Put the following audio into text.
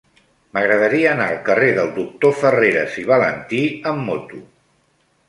M'agradaria anar al carrer del Doctor Farreras i Valentí amb moto.